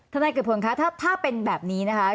ท่านนายกิจพลค่ะถ้าเป็นแบบนี้นะคะ